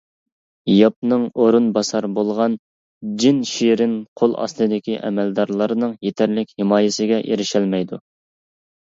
ياپنىڭ ئورۇن باسار بولغان جىن شېرىن قول ئاستىدىكى ئەمەلدارلارنىڭ يېتەرلىك ھىمايىسىگە ئېرىشەلمەيدۇ.